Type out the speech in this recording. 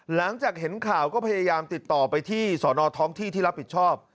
หลังจากเห็นข่าวก็พยายามติดต่อไปที่สอนอท้องที่ที่รับผิดชอบ